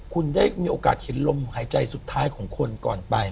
คุณได้มีโอกาสเห็นลมหายใจสุดท้ายของคนก่อนไป